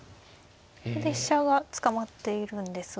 飛車が捕まっているんですが。